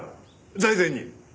財前に。